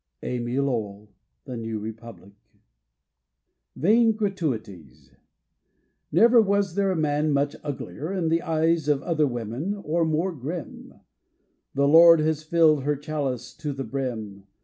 Amy Lowell — The New Republic VAIN GRATUITIES Never was there a man much uglier In the eyes of other women, or more grim : 'The Lord has flUed her chalice to the brim.